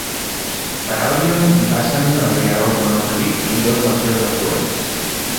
Per Albion hi passen el rierol Conneaut Creek i dos dels seus afluents.